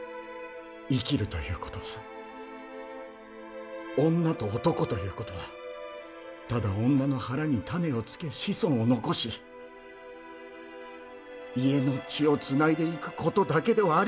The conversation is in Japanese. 生きるということは女と男ということはただ女の腹に種をつけ子孫を残し家の血をつないでいくことだけではありますまい！